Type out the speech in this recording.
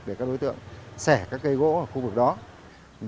để các đối tượng xẻ các cây gỗ ở khu bảo tồn